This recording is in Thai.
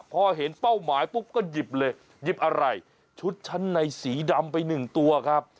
พอเห็นเป้าหมายปุ๊บก็หยิบเลยหยิบอะไรชุดชั้นในสีดำไปหนึ่งตัวครับ